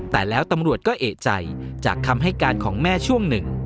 แต่แล้วตำรวจก็เอกใจจากคำให้การของแม่ช่วงหนึ่ง